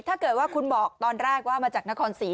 ถ้าเกิดว่าคุณบอกตอนแรกว่ามาจากนครศรี